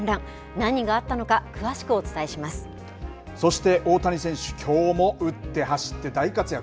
何があったのか、詳しくお伝えしそして、大谷選手、きょうも打って走って大活躍。